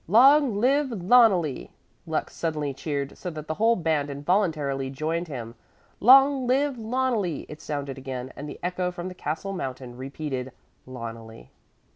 "Long live Loneli!" Lux suddenly cheered so that the whole band involuntarily joined him. "Long live Loneli!;" it sounded again and the echo from the castle mountain repeated, "Loneli."